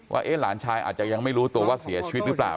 ว่าหลานชายอาจจะยังไม่รู้ตัวว่าเสียชีวิตหรือเปล่า